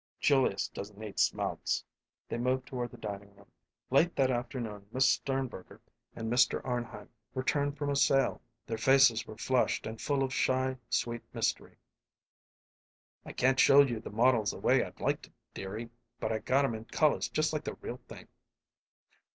"Julius don't eat smelts." They moved toward the dining room. Late that afternoon Miss Sternberger and Mr. Arnheim returned from a sail. Their faces were flushed and full of shy, sweet mystery. "I can't show you the models the way I'd like to, dearie, but I got 'em in colors just like the real thing."